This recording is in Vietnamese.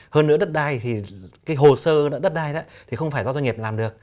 hơn nữa đất đai thì cái hồ sơ đất đai thì không phải do doanh nghiệp làm được